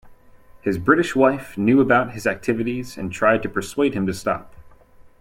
His British wife knew about his activities and tried to persuade him to stop.